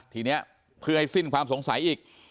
ทีนี้เพื่อให้สิ้นความสงสัยอีก